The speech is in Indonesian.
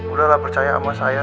udah lah percaya sama saya